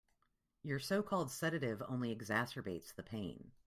Your so-called sedative only exacerbates the pain.